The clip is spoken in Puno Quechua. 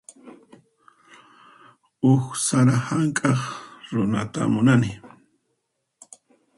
Huk sara hank'aq runata munani.